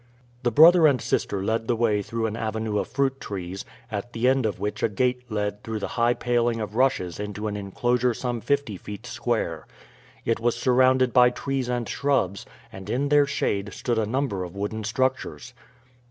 The brother and sister led the way through an avenue of fruit trees, at the end of which a gate led through a high paling of rushes into an inclosure some fifty feet square. It was surrounded by trees and shrubs, and in their shade stood a number of wooden structures.